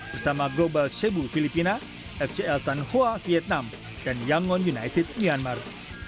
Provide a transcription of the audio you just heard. bersama global cebu filipina fcl tanhua vietnam dan yangon united myanmar